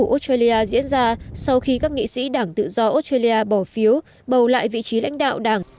cuộc bỏ phiếu của thủ tướng australia diễn ra sau khi các nghị sĩ đảng tự do australia bỏ phiếu bầu lại vị trí lãnh đạo đảng